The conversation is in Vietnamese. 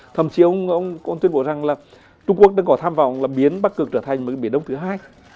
thậm chí ông tuyên bố rằng là trung quốc đang có tham vọng biến bắt cực trở thành biển đông thứ hai